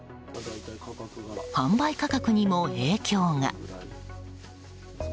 販売価格にも影響が。